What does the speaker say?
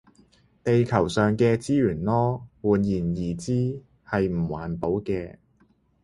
地球上嘅資源囉，換言之你係唔環保嘅